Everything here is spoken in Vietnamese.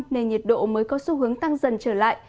nên nhiệt độ mới có xu hướng tăng dần trở lại